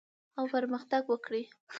او پرمختګ وکړي.